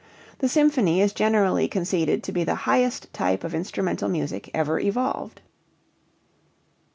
The symphony is generally conceded to be the highest type of instrumental music ever evolved.